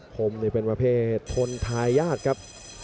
คมนี่เป็นประเภททนทายาทครับ